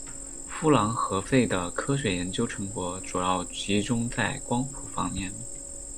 夫琅和费的科学研究成果主要集中在光谱方面。